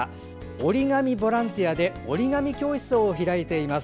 折り紙ボランティアで折り紙教室を開いています。